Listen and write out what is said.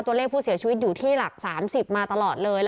ตัวเลขผู้เสียชีวิตอยู่ที่หลัก๓๐มาตลอดเลย